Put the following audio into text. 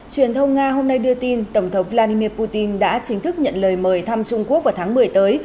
truyền thông nga hôm nay đưa tin tổng thống vladimir putin đã chính thức nhận lời mời thăm trung quốc vào tháng một mươi tới